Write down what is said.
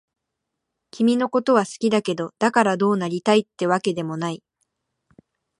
君のことは好きだけど、だからどうなりたいってわけでもない。